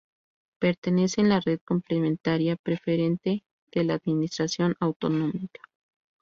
Pertenece a la Red Complementaria Preferente de la administración autonómica.